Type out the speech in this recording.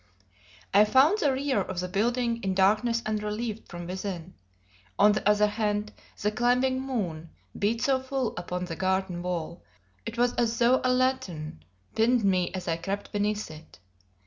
I found the rear of the building in darkness unrelieved from within; on the other hand, the climbing moon beat so full upon the garden wall, it was as though a lantern pinned me as I crept beneath it.